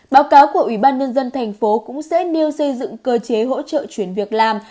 báo cáo của ủy ban nhân dân thành phố cũng sẽ nêu xây dựng cơ chế hỗ trợ chuyển việc làm